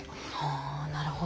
あなるほど。